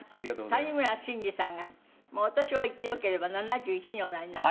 黒柳：谷村新司さんがお年を言ってよければ７１におなりになった。